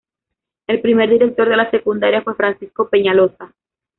El primer director de la secundaria fue Francisco Peñaloza.